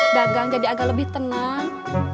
dagang jadi agak lebih tenang